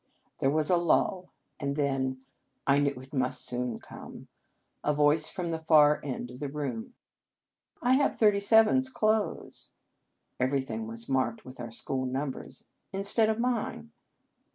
There was a lull, and then I knew it must soon come a voice from the far end of the room. " I have thirty seven s clothes " (everything was marked with our school numbers), " instead of mine."